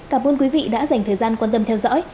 cảm ơn quý vị đã dành thời gian quan tâm theo dõi